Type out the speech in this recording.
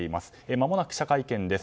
まもなく記者会見です。